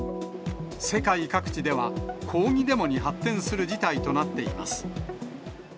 世界各地では、抗議デモに発展する事態となっています。